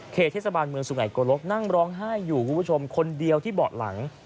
เทศบาลเมืองสุไงโกลกนั่งร้องไห้อยู่คุณผู้ชมคนเดียวที่เบาะหลัง